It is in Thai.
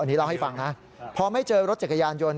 อันนี้เล่าให้ฟังนะพอไม่เจอรถจักรยานยนต์